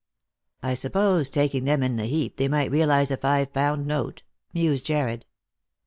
" I suppose, taking them in the heap, they might realise a five pound note," mused Jarred.